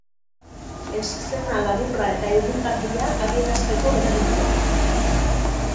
Eszena laburra eta irrigarria adierazteko erabiltzen da.